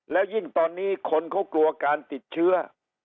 แล้วยิ่งตอนนี้คนเขากลัวการติดเชื้อ